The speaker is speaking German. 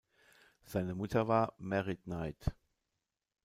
Seine Mutter war Meritneith.